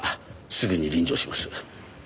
すぐに臨場します。